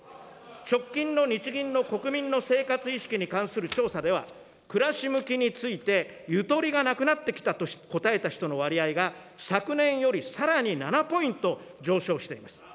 直近の日銀の国民の生活意識に関する調査では、暮らし向きについて、ゆとりがなくなってきたと答えた人の割合が、昨年よりさらに７ポイント上昇しています。